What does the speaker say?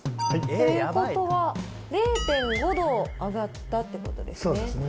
ということは、０．５度上がったってことですね。